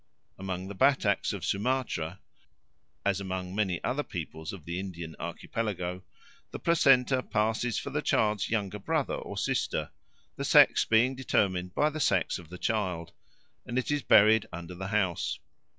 Among the Bataks of Sumatra, as among many other peoples of the Indian Archipelago, the placenta passes for the child's younger brother or sister, the sex being determined by the sex of the child, and it is buried under the house.